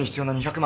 ２００万！？